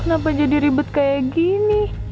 kenapa jadi ribet kayak gini